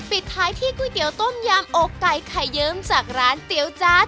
ปิดท้ายที่ก๋วยเตี๋ยต้มยำอกไก่ไข่เยิ้มจากร้านเตี๋ยวจ๊ะ